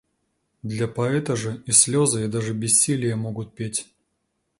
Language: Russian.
Для поэта же и слёзы и даже бессилие могут петь.